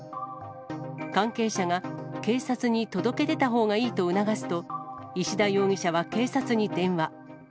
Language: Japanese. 関係者が、警察に届け出たほうがいいと促すと、石田容疑者は警察に電話。